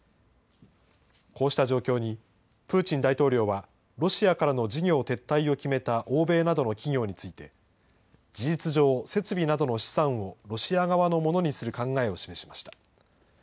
こうした状況に、プーチン大統領はロシアからの事業撤退を決めた欧米などの企業について、事実上、設備などの資産をロシア側のものにする考えを示しました。